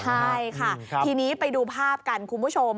ใช่ค่ะทีนี้ไปดูภาพกันคุณผู้ชม